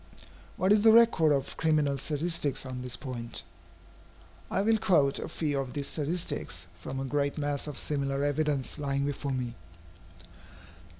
What is the record of criminal statistics on this point? I will quote a few of these statistics, from a great mass of similar evidence lying before me.